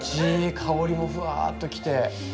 香りもふわっときて。